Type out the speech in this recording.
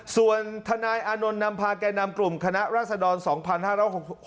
ส่วนทนายอานนท์นำพาแก่นำกลุ่มคณะราษฎร๒๕๖๖